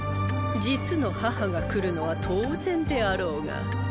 実の母が来るのは当然であろうが。